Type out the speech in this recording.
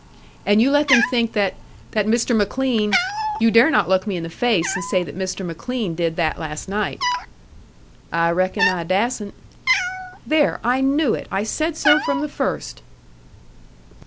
"And you let them think that that Mr. McLean You dare not look me in the face and say that Mr. McLean did that last night!" "I reckon I dassent." "There! I knew it! I said so from the first!"